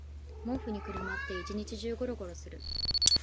毛布にくるまって一日中ゴロゴロする